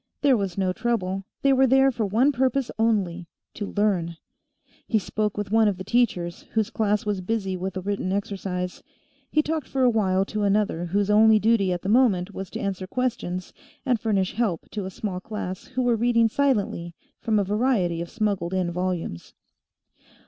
There was no trouble; they were there for one purpose only to learn. He spoke with one of the teachers, whose class was busy with a written exercise; he talked for a while to another whose only duty at the moment was to answer questions and furnish help to a small class who were reading silently from a variety of smuggled in volumes.